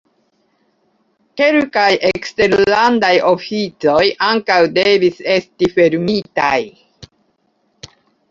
Kelkaj eksterlandaj oficoj ankaŭ devis esti fermitaj.